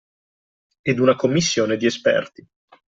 Ed una commissione di esperti